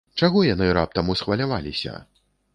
Чаго яны раптам усхваляваліся?